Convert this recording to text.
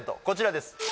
こちらです